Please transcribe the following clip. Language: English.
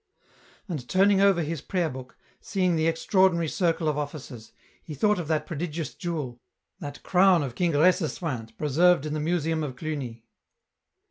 And turning over his prayer book, seeing the extra ordinary circle of offices, he thought of that prodigious jewel, that crown of King Recceswinthe preserved in the Museum of Cluny.